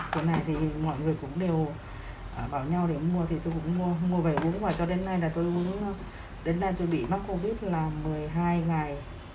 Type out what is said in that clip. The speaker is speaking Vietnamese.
thuốc này thì mọi người cũng đều bảo nhau để mua thì tôi cũng mua mua về uống và cho đến nay là tôi uống đến nay tôi bị mắc covid là một mươi hai ngày